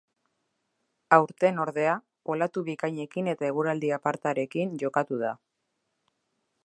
Aurten ordea, olatu bikainekin eta eguraldi apartarekin jokatu da.